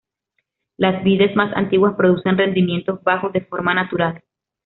Las vides más antiguas producen rendimientos bajos de forma natural.